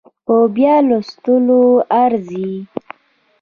په بيا لوستو ارزي